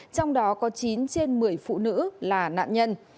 trong đó có chín trên một mươi phụ nữ là nạn nhân